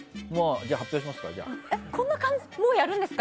じゃあ、発表しますか？